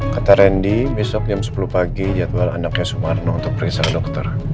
kata randy besok jam sepuluh pagi jadwal anaknya sumarno untuk periksa dokter